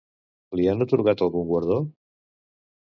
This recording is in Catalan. Li han atorgat algun guardó?